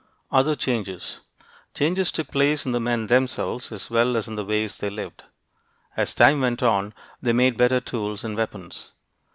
OTHER CHANGES Changes took place in the men themselves as well as in the ways they lived. As time went on, they made better tools and weapons.